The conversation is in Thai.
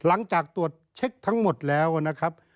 หลังจากตรวจเช็คทั้งหมดแล้วนะครับ